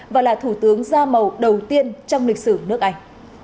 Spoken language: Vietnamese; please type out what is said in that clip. và là thủ tướng da màu đầu tiên trong lịch sử nước anh